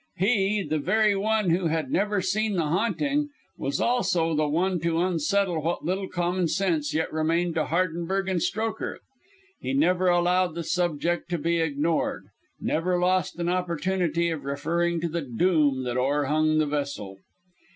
He, the very one who had never seen the haunting, was also the very one to unsettle what little common sense yet remained to Hardenberg and Strokher. He never allowed the subject to be ignored never lost an opportunity of referring to the doom that o'erhung the vessel.